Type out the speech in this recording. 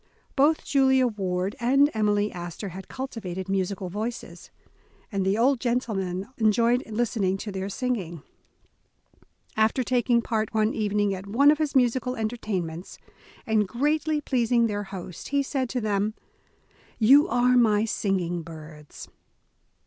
Both Julia Ward and Emily Astor had cultivated musical voices, and the old gentleman enjoyed listening to their singing. After taking part one evening at one of his musical entertainments, and greatly pleasing their host, he said to them: ''You are my singing birds.